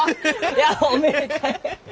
いやおめでたい！